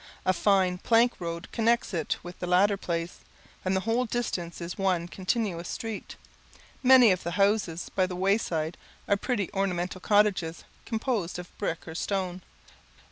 A fine plank road connects it with the latter place, and the whole distance is one continuous street. Many of the houses by the wayside are pretty ornamental cottages, composed of brick or stone.